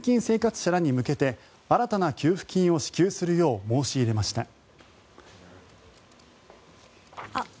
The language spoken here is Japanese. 生活者らに向けて新たな給付金を支給するよう申し入れました。